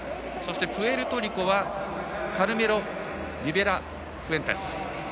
プエルトリコはカルメロ・リベラフエンテス。